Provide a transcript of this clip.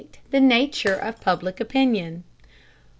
THE NATURE OF PUBLIC OPINION.